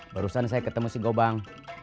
barusan saya ketemu si gobang